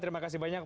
terima kasih banyak